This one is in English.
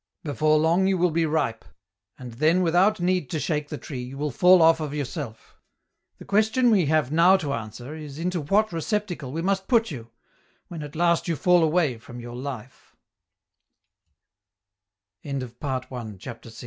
" Before long you will be ripe, and then without need to shake the tree you will fall off of yourself. The question we have now to answer is into what receptacle we must put you, when at last you fall aw